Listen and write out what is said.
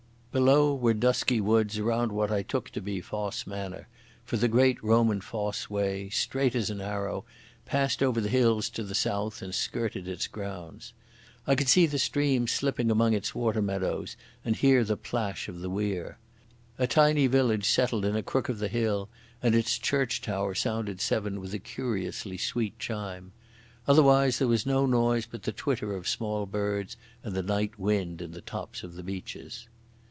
Below were dusky woods around what I took to be Fosse Manor, for the great Roman Fosse Way, straight as an arrow, passed over the hills to the south and skirted its grounds. I could see the stream slipping among its water meadows and could hear the plash of the weir. A tiny village settled in a crook of the hill, and its church tower sounded seven with a curiously sweet chime. Otherwise there was no noise but the twitter of small birds and the night wind in the tops of the beeches.